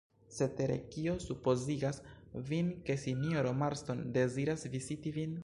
Cetere, kio supozigas vin, ke sinjoro Marston deziras kisi vin?